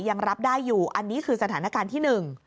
ยังรับได้อยู่อันนี้คือสถานการณ์ที่๑